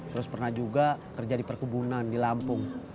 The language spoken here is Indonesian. terus pernah juga kerja di perkebunan di lampung